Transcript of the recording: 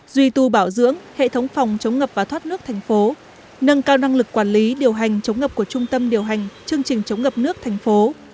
duy tu bảo dưỡng hệ thống phòng chống ngập và thoát nước thành phố nâng cao năng lực quản lý điều hành chống ngập của trung tâm điều hành chương trình chống ngập nước thành phố